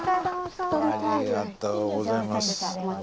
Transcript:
ありがとうございます。